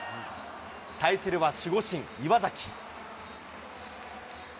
対するは守護神、岩崎。